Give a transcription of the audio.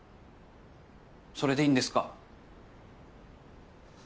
それでいいんですか？